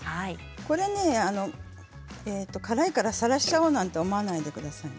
これは辛いからさらしちゃおうなんて思わないでくださいね。